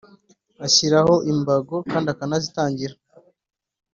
Ashyiraho imbago kandi akanazitangira